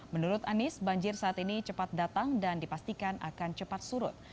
menurut anies banjir saat ini cepat datang dan dipastikan akan cepat surut